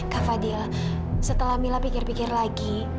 kak fadil setelah mila pikir pikir lagi